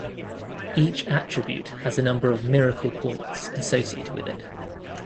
Each attribute has a number of Miracle Points associated with it.